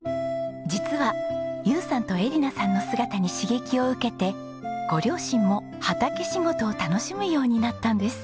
実は友さんと恵梨奈さんの姿に刺激を受けてご両親も畑仕事を楽しむようになったんです。